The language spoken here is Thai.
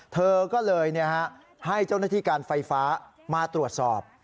เธอก็เลยให้เจ้าหน้าที่การไฟฟ้ามาตรวจสอบ